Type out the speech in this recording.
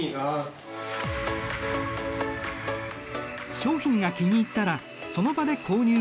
商品が気に入ったらその場で購入を決定。